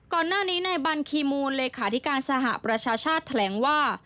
ก่อนหน้านี้ในบัญคีมูลเลขาธิการสหประชาชาติแถลงว่า